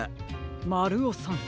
まるおさん。